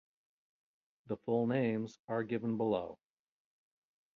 The full names are given below.